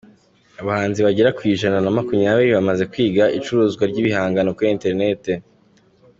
Abahanzi bagera ku ijana na makumyabiri bamaze kwiga icuruzwa ry’ibihangano kuri iterinete